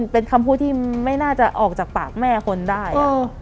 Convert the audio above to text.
เป็นคำพูดที่ไม่น่าจะออกจากปากแม่คนได้